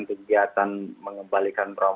dan kegiatan mengembalikan trauma